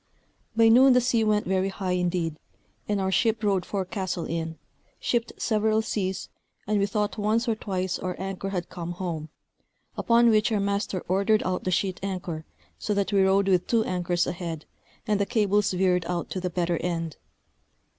By noon the sea went very high indeed, and our ship rode forecastle in, shipped several seas, and we thought once or twice our anchor had come home; upon which our master ordered out the sheet anchor, so that we rode with two anchors ahead, and the cables veered out to the better end.